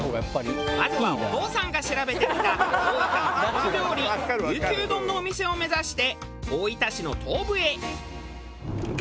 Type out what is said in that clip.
まずはお父さんが調べてきた大分の郷土料理りゅうきゅう丼のお店を目指して大分市の東部へ。